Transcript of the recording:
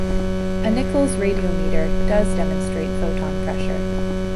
A Nichols radiometer does demonstrate photon pressure.